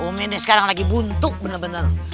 umi nih sekarang lagi buntuk bener bener